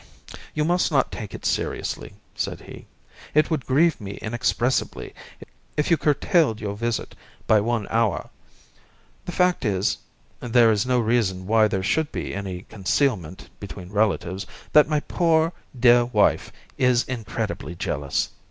"You must not take it seriously," said he. "It would grieve me inexpressibly if you curtailed your visit by one hour. The fact is there is no reason why there should be any concealment between relatives that my poor dear wife is incredibly jealous.